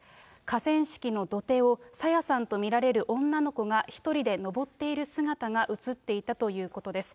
河川敷の土手を、朝芽さんと見られる女の子が、１人で上っている姿が写っていたということです。